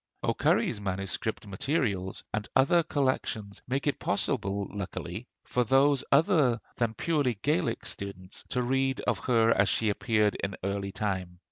O'Curry's 'MS. Materials,' and other collections make it possible, luckily, for other than purely Gaelic students to read of her as she appeared in early time.